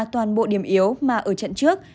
toàn bộ điểm yếu mà ở trận trước